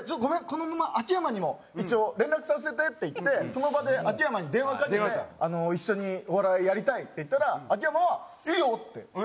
このまま秋山にも一応連絡させて」って言ってその場で秋山に電話かけて「一緒にお笑いやりたい」って言ったら秋山は「いいよ」って。